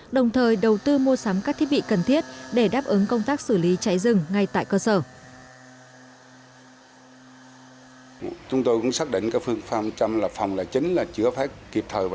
đồng thời đầu tư mua sắm các thiết bị cần thiết để đáp ứng công tác xử lý cháy rừng ngay tại cơ sở